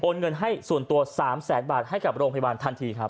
เงินให้ส่วนตัว๓แสนบาทให้กับโรงพยาบาลทันทีครับ